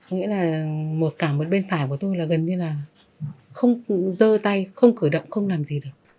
nghĩa là cả một bên phải của tôi là gần như là không dơ tay không cử động không làm gì được